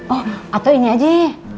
oh atau ini aja